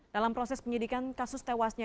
dalam proses penyidikan kasus tewasnya